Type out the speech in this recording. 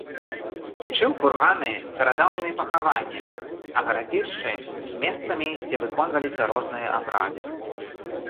Лічыў курганы старадаўнімі пахаваннямі, а гарадзішчы месцамі, дзе выконваліся розныя абрады.